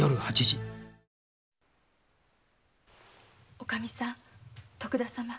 おカミさん徳田様。